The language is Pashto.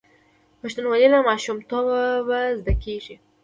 پښتونولي له ماشومتوبه زده کیږي.